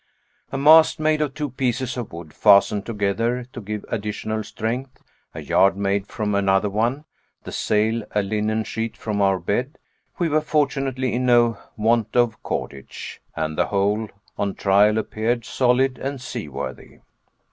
A mast, made of two pieces of wood fastened together, to give additional strength, a yard made from another one, the sail a linen sheet from our bed. We were fortunately in no want of cordage, and the whole on trial appeared solid and seaworthy.